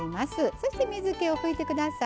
そして水けを拭いてください。